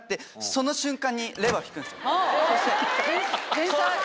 天才。